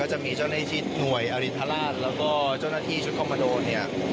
จะมีเจ้าหน้าที่หน่วยอรินทราชแล้วก็เจ้าหน้าที่ชุดคอมโมโดเนี่ย